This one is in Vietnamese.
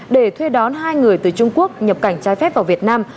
để thuê đón hai người từ trung quốc nhập cảnh trái phép vào việt nam